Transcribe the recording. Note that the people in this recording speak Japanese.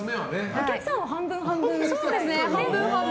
お客さんは半分、半分ですね。